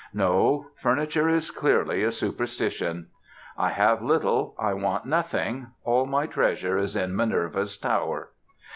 No: furniture is clearly a superstition. "I have little, I want nothing; all my treasure is in Minerva's tower."